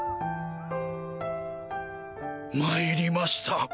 参りました